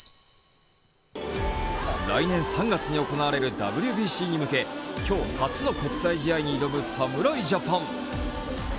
来年３月に行われるＷＢＣに向け今日初の国際試合に挑む侍ジャパン。